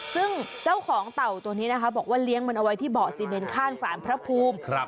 ซึ่งเจ้าของเต่าตัวนี้นะคะบอกว่าเลี้ยงมันเอาไว้ที่เบาะซีเมนข้างสารพระภูมิ